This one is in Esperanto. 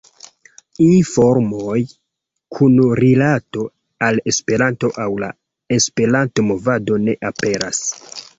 Informoj kun rilato al Esperanto aŭ la Esperanto-movado ne aperas.